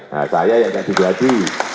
nah saya yang enggak digeladi